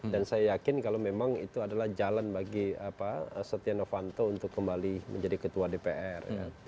dan saya yakin kalau memang itu adalah jalan bagi setia novanto untuk kembali menjadi ketua dpr